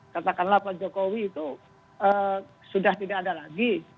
katakanlah pak jokowi itu sudah tidak ada lagi